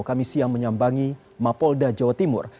kami siang menyambangi mapolda jawa timur